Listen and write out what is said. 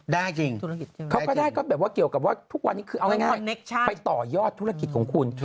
ได้จริงเขาก็ได้ก็แบบว่าเกี่ยวกับว่าทุกวันนี้คือเอาง่ายไปต่อยอดธุรกิจของคุณ